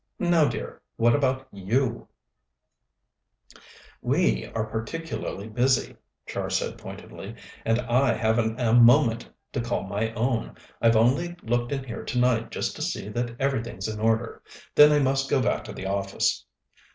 Now, dear, what about you?" "We are particularly busy," Char said pointedly, "and I haven't a moment to call my own. I've only looked in here tonight just to see that everything's in order. Then I must go back to the office."